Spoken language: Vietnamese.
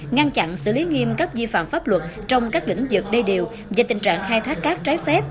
ngăn chặn xử lý nghiêm các di phạm pháp luật trong các lĩnh vực đê điều và tình trạng khai thác cát trái phép